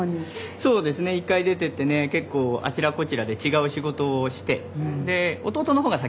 そうですね１回出てってね結構あちらこちらでスタジオええこっ